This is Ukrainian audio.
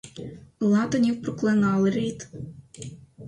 Латинів проклинали рід;